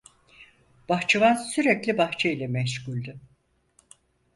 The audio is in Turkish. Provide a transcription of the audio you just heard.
Bahçıvan sürekli bahçeyle meşguldü.